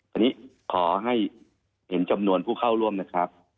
ตอนนี้ขอให้เห็นจำนวนผู้เข้าร่วมนะครับ